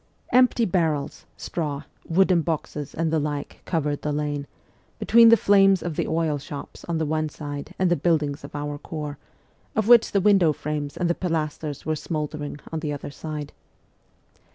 Empty barrels, straw, wooden boxes, and the like covered the lane, between the flames of the oil shops on the one side and the buildings of our Corps, of which the window frames and the pilasters were smouldering, on the other side.